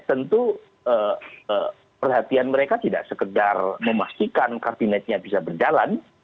dan tentu perhatian mereka tidak sekedar memastikan kabinetnya bisa berjalan